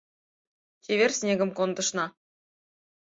Чевер снегым кондышна